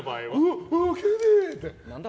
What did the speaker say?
何だ？